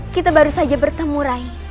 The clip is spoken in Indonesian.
kita baru saja bertemu rai